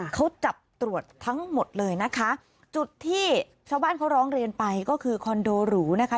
เขาจับตรวจทั้งหมดเลยนะคะจุดที่ชาวบ้านเขาร้องเรียนไปก็คือคอนโดหรูนะคะ